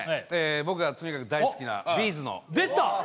僕がとにかく大好きなＢ’ｚのでた！